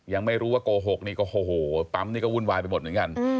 ยังไม่รู้ว่าโกหกนี่ก็โอ้โหปั๊มนี่ก็วุ่นวายไปหมดเหมือนกัน